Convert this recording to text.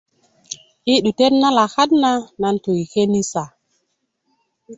i 'dutet na lakat na nan tu i kenisa